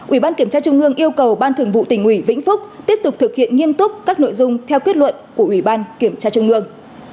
ủy ban kiểm tra trung ương yêu cầu ban thường vụ tỉnh ủy vĩnh phúc tiếp tục thực hiện nghiêm túc các nội dung theo kết luận của ủy ban kiểm tra trung ương